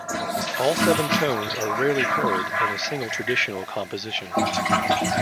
All seven tones are rarely heard in a single traditional composition.